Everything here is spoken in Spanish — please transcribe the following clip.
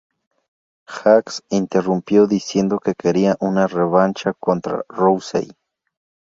Jax interrumpió, diciendo que quería una revancha contra Rousey.